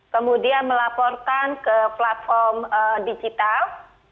kemudian melaporkan ke platform digital